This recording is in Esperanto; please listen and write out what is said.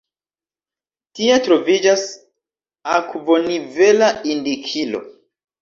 Tie troviĝas akvonivela indikilo.